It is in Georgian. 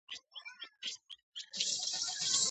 ნიკ დეივისის თქმით.